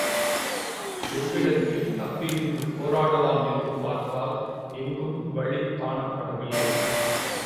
எவ்விடத்தில் தப்பி நின்று போராடலாம் என்று பார்த்தால் எங்கும் வழி காணப்படவில்லை.